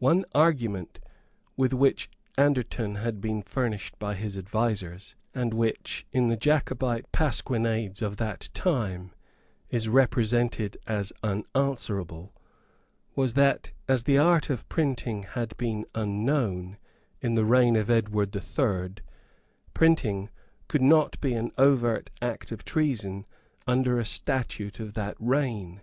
One argument with which Anderton had been furnished by his advisers, and which, in the Jacobite pasquinades of that time, is represented as unanswerable, was that, as the art of printing had been unknown in the reign of Edward the Third, printing could not be an overt act of treason under a statute of that reign.